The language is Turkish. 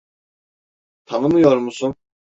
Tanımıyor musun?